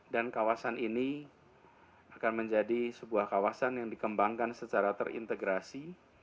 dan kawasan ini akan menjadi sebuah kawasan yang dikembangkan secara terintegrasi